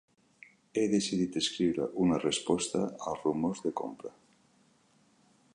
He decidit escriure una resposta als rumors de compra.